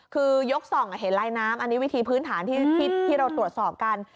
คือยกส่องเห็นลายน้ำอันนี้วิธีพื้นฐานที่เราตรวจสอบกัน